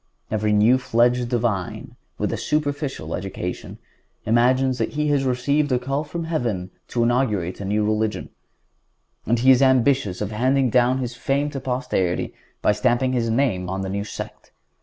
Every new fledged divine, with a superficial education, imagines that he has received a call from heaven to inaugurate a new religion, and he is ambitious of handing down his fame to posterity by stamping his name on a new sect.